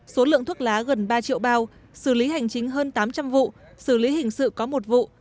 số lượng thuốc lá gần ba triệu bao xử lý hành chính hơn tám trăm linh vụ xử lý hình sự có một vụ